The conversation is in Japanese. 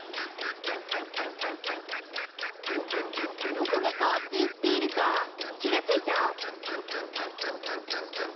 どこがかわっていっているかきがついた？